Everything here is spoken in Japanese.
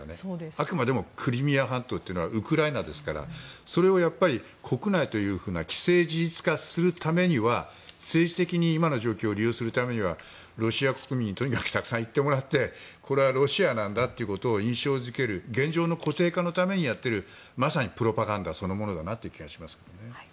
あくまでもクリミア半島はウクライナですからそれを国内という既成事実化するためには政治的に今の状況を利用するためにはロシア国民にとにかくたくさん行ってもらってこれはロシアなんだということを印象付ける現状の固定化のためにやっているまさにプロパガンダそのものだなという気がしますけどね。